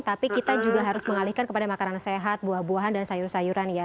tapi kita juga harus mengalihkan kepada makanan sehat buah buahan dan sayur sayuran ya